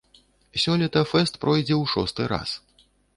Сёлета фэст пройдзе ў шосты раз.